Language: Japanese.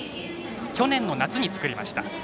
去年の夏に作りました。